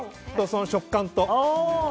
その食感と。